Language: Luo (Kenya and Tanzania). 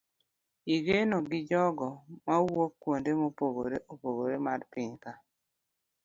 Igeno gi jogo mawuok kuonde mopogore opogore mar piny Kenya